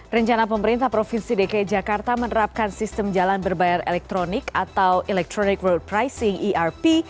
rencana pemerintah provinsi dki jakarta menerapkan sistem jalan berbayar elektronik atau electronic road pricing erp